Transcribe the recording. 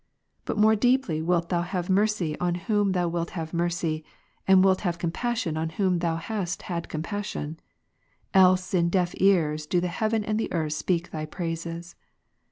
But more deeply ivilt Thou have mercy on whom Thou ivilt have mercy, and wilt have compassion on whom Thou hast had compassion : else in deaf ears do the heaven and the earth speak Thy praises.